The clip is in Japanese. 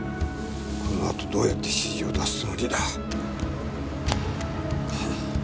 このあとどうやって指示を出すつもりだ？